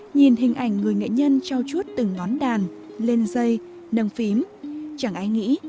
nhìn hình ảnh người nghệ nhân trao chuốt từng ngón đàn lên dây nâng phím chẳng ai nghĩ